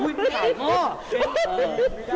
พี่บอกว่าบ้านทุกคนในที่นี่